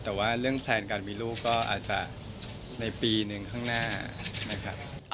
แต่ว่าเรื่องแพลนการมีลูกก็อาจจะในปีหนึ่งข้างหน้านะครับ